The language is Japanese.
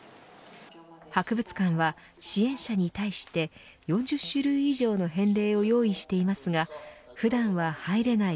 博物館は支援者に対して４０種類以上の返礼を用意していますが普段は入れない